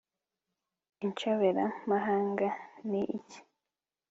inshobera mahanga ni iki